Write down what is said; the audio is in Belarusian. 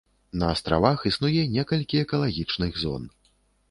На астравах існуе некалькі экалагічных зон.